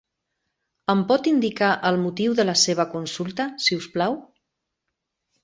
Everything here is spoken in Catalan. Em pot indicar el motiu de la seva consulta, si us plau?